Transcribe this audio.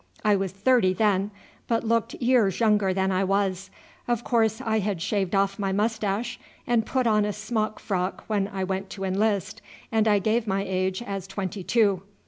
I was thirty then, but looked years younger than I was. Of course I had shaved off my moustache and put on a smock frock when I went to enlist, and I gave my age as twenty two.